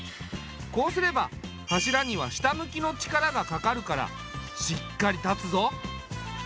こうすれば柱には下向きの力がかかるからしっかり立つぞ。